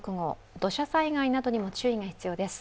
土砂災害などにも注意が必要です。